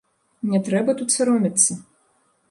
Не трэба тут саромецца.